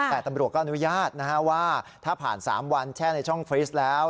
แต่ตำรวจก็อนุญาตว่าถ้าผ่าน๓วันแช่ในช่องฟรีสแล้ว